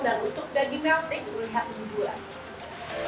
dan untuk daging meltik terlihat lebih buah